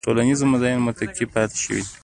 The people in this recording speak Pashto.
ټولنیزو مزایاوو متکي پاتې شي.